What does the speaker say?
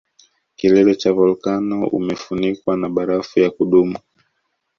Kilele cha volkano umefunikwa na barafu ya kudumu